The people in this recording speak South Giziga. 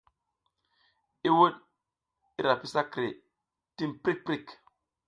I wuɗ i ra pi sakre tim prik prik.